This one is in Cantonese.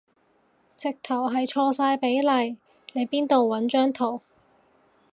直頭係錯晒比例，你邊度搵張圖